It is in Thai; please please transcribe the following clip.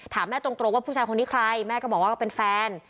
ถามแม่ตรงว่าผู้ชายคนนี้ใครแม่ก็บอกว่าก็เป็นแฟน